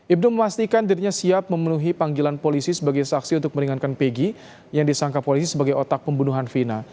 ibnu memastikan dirinya siap memenuhi panggilan polisi sebagai saksi untuk meringankan pegi yang disangka polisi sebagai otak pembunuhan vina